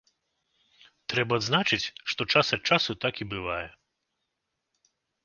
Трэба адзначыць, што час ад часу так і бывае.